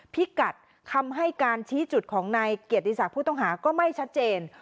พิกัดคำให้การชี้จุดของนายเกียรติศักดิ์ผู้ต้องหาก็ไม่ชัดเจน